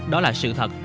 đó là sự thật